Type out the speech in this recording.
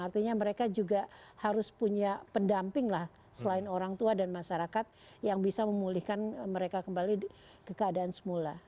artinya mereka juga harus punya pendamping lah selain orang tua dan masyarakat yang bisa memulihkan mereka kembali ke keadaan semula